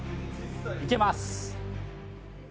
いけます！